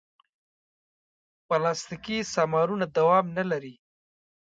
پلاستيکي سامانونه دوام نه لري.